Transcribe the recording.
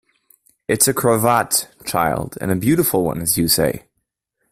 It’s a cravat, child, and a beautiful one, as you say.